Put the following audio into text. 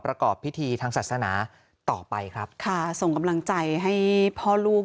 ประกอบพิธีทางศาสนาต่อไปครับค่ะส่งกำลังใจให้พ่อลูก